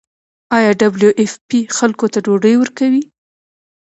آیا ډبلیو ایف پی خلکو ته ډوډۍ ورکوي؟